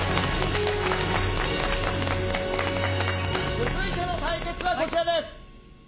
続いての対決はこちらです。